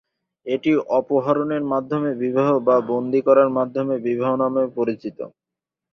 এটি অপহরণের মাধ্যমে বিবাহ বা বন্দী করার মাধ্যমে বিবাহ নামেও পরিচিত।